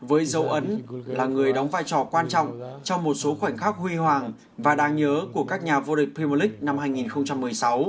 uloa là người đóng vai trò quan trọng trong một số khoảnh khắc huy hoàng và đáng nhớ của các nhà vô địch premier league năm hai nghìn một mươi sáu